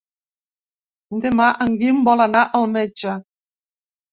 Demà en Guim vol anar al metge.